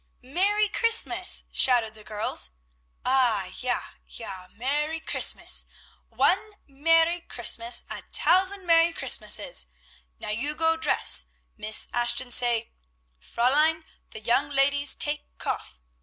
"Merry Christmas!" shouted the girls. "Ah, Ja! Ja! Merrie Christmas! one Merrie Christmas, a t'ousand Merrie Christmas. Now you go dress! Miss Ashton say, 'Fräulein, the young ladies tak cough.'